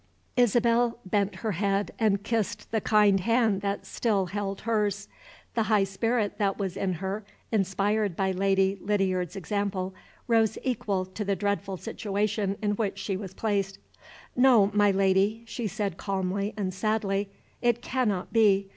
Isabel bent her head, and kissed the kind hand that still held hers. The high spirit that was in her, inspired by Lady Lydiard's example, rose equal to the dreadful situation in which she was placed. "No, my Lady," she said calmly and sadly; "it cannot be.